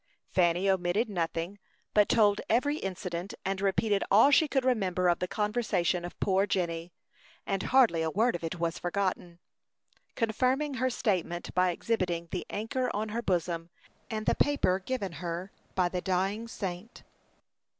Fanny omitted nothing, but told every incident, and repeated all she could remember of the conversation of poor Jenny, and hardly a word of it was forgotten, confirming her statement by exhibiting the anchor on her bosom, and the paper given her by the dying saint.